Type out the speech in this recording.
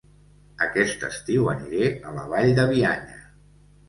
Aquest estiu aniré a La Vall de Bianya